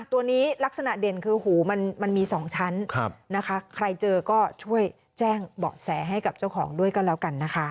ตัวนี้ลักษณะเด่นคือหูมันมี๒ชั้นนะคะใครเจอก็ช่วยแจ้งเบาะแสให้กับเจ้าของด้วยก็แล้วกันนะคะ